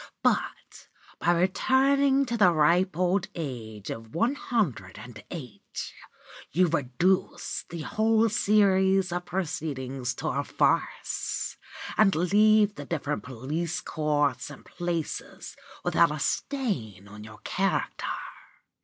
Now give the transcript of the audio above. But, by returning to the ripe old age of one hundred and eight, you reduce the whole series of proceedings to a farce, and leave the different police courts and places without a stain on your character.